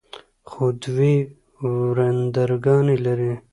خو دوې ورندرګانې لري.